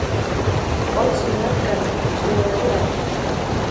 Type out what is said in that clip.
ოცი მათგანი მძევალი აღმოჩნდა.